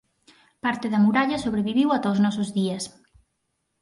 Parte da muralla sobreviviu ata os nosos días.